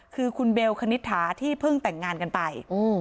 คือคุณเบลคณิตถาที่เพิ่งแต่งงานกันไป